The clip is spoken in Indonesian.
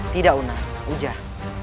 tidak una ujah